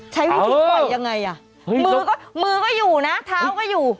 ใช้วิธีปล่อยยังไงอ่ะมือก็มือก็อยู่นะเท้าก็อยู่